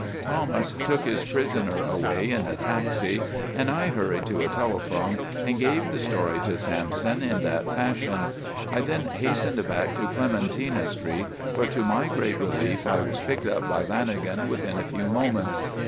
Thomas took his prisoner away in a taxi and I hurried to a telephone and gave the story to Sampson in that fashion. I then hastened back to Clementina Street, where to my great relief, I was picked up by Lanagan within a few moments.